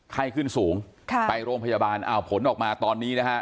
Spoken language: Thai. ไข้ขึ้นสูงค่ะไปโรงพยาบาลอ้าวผลออกมาตอนนี้นะฮะ